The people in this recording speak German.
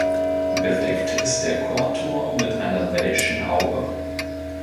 Bedeckt ist der Chorturm mit einer Welschen Haube.